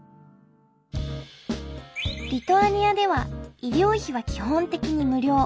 リトアニアでは医療費は基本的に無料。